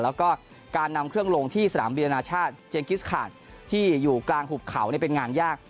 แล้วก็การนำเครื่องลงที่สนามบินอนาชาติเจนกิสคาร์ดที่อยู่กลางหุบเขาเป็นงานยาก